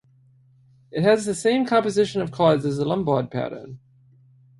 It has the same composition of cards as the Lombard pattern.